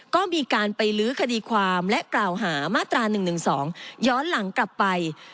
ก็มีการไปลื้อคดีความและกล่าวหามาตรา๑๑๒ย้อนหลังกลับไป